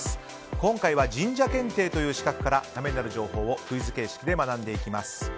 今回は神社検定という資格からためになる情報をクイズ形式で学んでいきます。